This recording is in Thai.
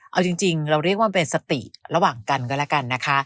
เอาจริงเราเรียกว่าเป็นสติระหว่างกันก็แล้วกันนะคะ